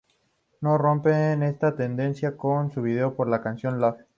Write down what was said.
No rompen esta tendencia con su vídeo para la canción "Love".